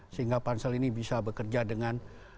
sehingga pansel ini bisa bekerja dengan